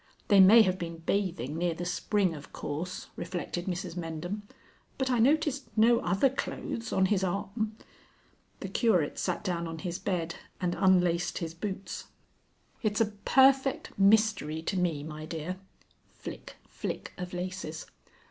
They may have been bathing near the spring, of course," reflected Mrs Mendham. "But I noticed no other clothes on his arm." The Curate sat down on his bed and unlaced his boots. "It's a perfect mystery to me, my dear." (Flick, flick of laces.)